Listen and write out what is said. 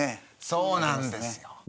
そうなんですよ。